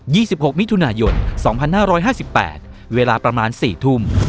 ี่สิบหกมิถุนายนสองพันห้าร้อยห้าสิบแปดเวลาประมาณสี่ทุ่ม